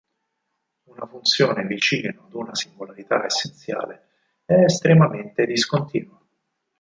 Una funzione vicino ad una singolarità essenziale è estremamente discontinua.